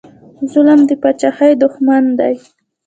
ظلم د پاچاهۍ دښمن دی